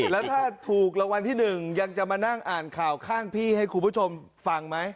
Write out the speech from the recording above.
แล้วถ้าถูกรางวัลที่๑ยังจะมานั่งอ่านข่าวข้างพี่ให้คุณผู้ชมฟังไหม